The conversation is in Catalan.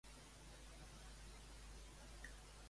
No, no, no, no puc pas parar aquí, és massa poc perillós.